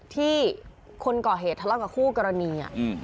ที่คนก่อเหตุทะเลาะกับคู่กรณี